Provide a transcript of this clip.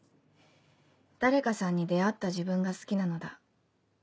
誰かさんに出会った自分が好きなのだ。